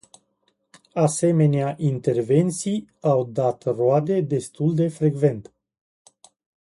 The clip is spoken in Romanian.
Asemenea intervenții au dat roade destul de frecvent.